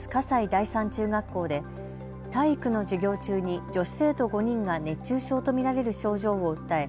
第三中学校で体育の授業中に女子生徒５人が熱中症と見られる症状を訴え